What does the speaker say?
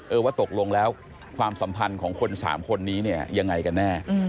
ว่าตกลงแล้วความสัมพันธ์ของคน๓คนนี้เนี่ยยังไงกันแน่